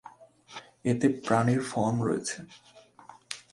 এতে প্রাণীর ফর্ম রয়েছে।